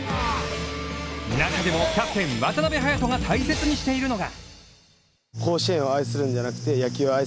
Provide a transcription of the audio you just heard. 中でも、キャプテン渡邊颯人が大切にしているのが。